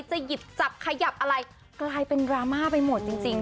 หยิบจับขยับอะไรกลายเป็นดราม่าไปหมดจริง